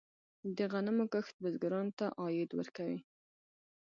د غنمو کښت بزګرانو ته عاید ورکوي.